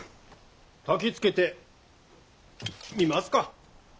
たきつけてみますか。